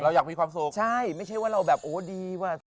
อยากมีความสุขใช่ไม่ใช่ว่าเราแบบโอ้ดีกว่า